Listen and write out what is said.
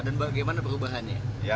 dan bagaimana perubahannya